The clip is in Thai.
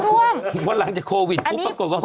เพราะว่าหลังจากโควิดปุ๊บปรากฏว่า